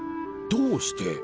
どうして？